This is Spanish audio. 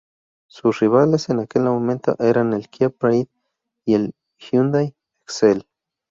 Sus rivales en aquel momento eran el Kia Pride, el Hyundai Excel.